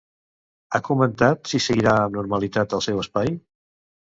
Ha comentat si seguiria amb normalitat al seu espai?